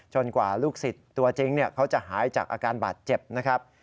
กว่าลูกศิษย์ตัวจริงเขาจะหายจากอาการบาดเจ็บนะครับ